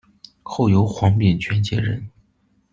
后由黄秉权接任。